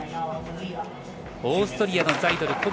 オーストリアのザイドル。